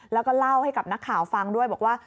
แล้วก็เล่าให้กับนักข่าวฟังด้วยบอกว่า